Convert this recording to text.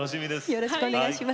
よろしくお願いします。